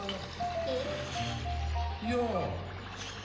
えっ？やあ。